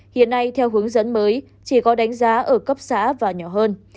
hiện nay theo hướng dẫn mới chỉ có đánh giá ở cấp xã và nhỏ hơn